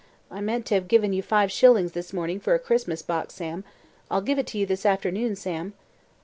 I meant to have given you five shillings this morning for a Christmas box, Sam. I'll give it to you this afternoon, Sam."